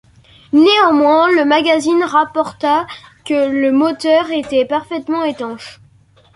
Néanmoins le magazine rapporta que le moteur était parfaitement étanche.